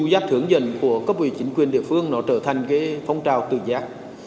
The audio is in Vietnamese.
sự dưu dắt hướng dẫn của cấp ủy chính quyền địa phương trở thành phong trào tự giác